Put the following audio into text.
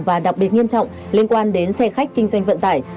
và đặc biệt nghiêm trọng liên quan đến xe khách kinh doanh vận tải